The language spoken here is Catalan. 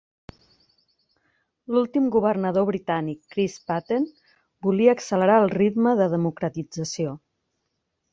L'últim governador britànic Chris Patten volia accelerar el ritme de democratització.